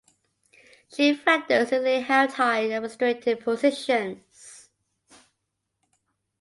Chief Factors usually held high administrative positions.